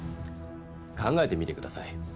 考えてみてください。